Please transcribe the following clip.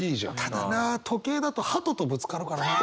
ただな時計だとはととぶつかるからな。